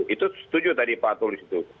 itu setuju tadi pak tulus itu